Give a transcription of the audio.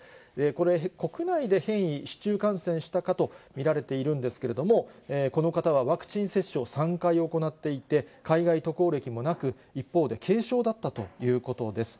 これ、国内で変異、市中感染したかと見られているんですけれども、この方はワクチン接種を３回行っていて、海外渡航歴もなく、一方で軽症だったということです。